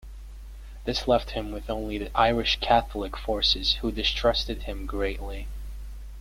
This left him with only the Irish Catholic forces, who distrusted him greatly.